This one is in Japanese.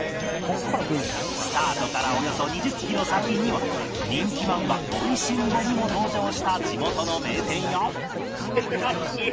スタートからおよそ２０キロ先には人気漫画『美味しんぼ』にも登場した地元の名店や